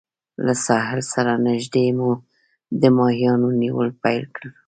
له ساحل سره نږدې مو د ماهیانو نیول پیل کړل.